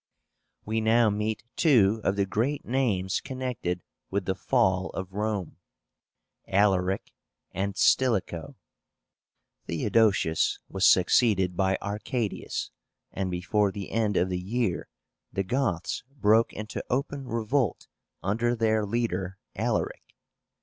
We now meet two of the great names connected with the fall of Rome, ALARIC and STILICHO. Theodosius was succeeded by Arcadius, and before the end of the year the Goths broke into open revolt under their leader, Alaric.